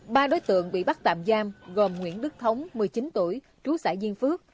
ba đối tượng bị bắt tạm giam gồm nguyễn đức thống một mươi chín tuổi trú xã diên phước